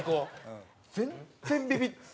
全然ビビってるよ。